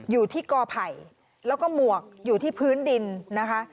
อยู่ที่กอไผ่แล้วก็หมวกอยู่ที่พื้นดินนะคะ